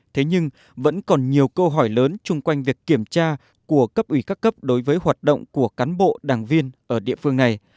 thế nhưng vẫn còn nhiều câu hỏi lớn chung quanh việc kiểm tra của cấp ủy các cấp đối với hoạt động của cán bộ đảng viên ở địa phương này